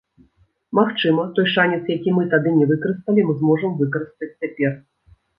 Магчыма, той шанец, які мы тады не выкарысталі, мы зможам выкарыстаць цяпер?